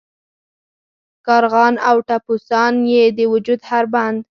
کارغان او ټپوسان یې د وجود هر بند.